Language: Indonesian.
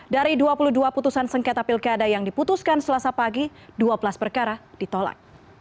dari dua puluh dua putusan sengketa pilkada yang diputuskan selasa pagi dua belas perkara ditolak